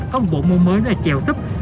có một bộ môn mới là chèo súp